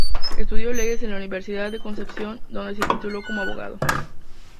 Estudió Leyes en la Universidad de Concepción donde se tituló como abogado.